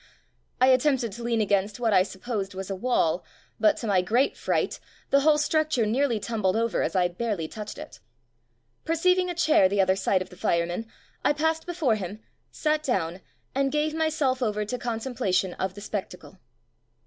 I at tempted to lean against what I sup posed was a wall, but to my great fright the whole structure nearly tum bled over as I barely touched it. Per ceiving a chair the other side of the fireman, I passed before him, sat down, and gave myself over to con templation of the spectacle.